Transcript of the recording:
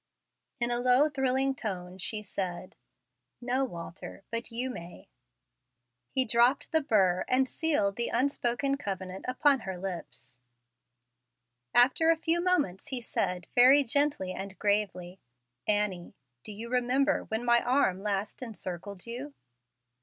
In a low, thrilling tone she said, "No, Walter, but you may." He dropped the burr and sealed the unspoken covenant upon her lips. After a few moments he said, very gently and gravely, "Annie, do you remember when my arm last encircled you?"